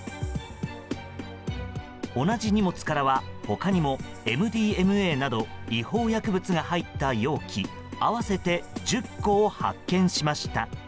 同じ荷物からは他にもＭＤＭＡなど違法薬物が入った容器合わせて１０個を発見しました。